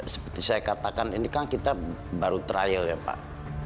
seperti saya katakan ini kan kita baru trial ya pak